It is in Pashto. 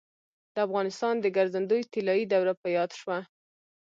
د افغانستان د ګرځندوی طلایي دوره په یاد شوه.